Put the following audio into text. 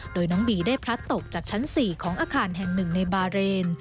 โดยน้องบีได้พลัดตกจากชั้น๔ของอาคารแห่งหนึ่งในบาเรน